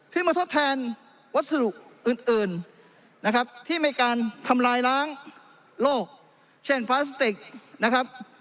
ที่มาทดแทนวัสดุอื่นที่มีการทำลายล้างโลกเช่นพลาสติก